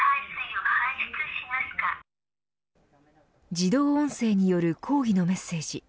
自動音声による抗議のメッセージ。